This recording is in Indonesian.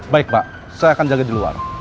baik pak saya akan jaga di luar